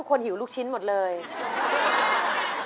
บางทีก็ปัดฝุ่นด้วยค่ะ